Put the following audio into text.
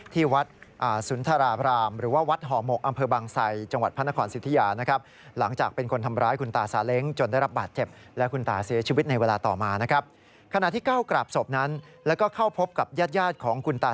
ที่วัดสุนทราบรามหรือว่าวัดห่อหมกอำเภอบางไซจังหวัดพระนครสิทธิยานะครับ